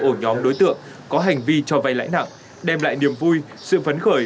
ổ nhóm đối tượng có hành vi cho vay lãi nặng đem lại niềm vui sự phấn khởi